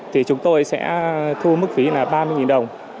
thì chúng tôi sẽ thu mức phí là ba mươi đồng